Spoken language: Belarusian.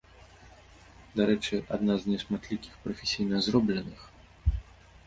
Дарэчы, адна з нешматлікіх прафесійна зробленых.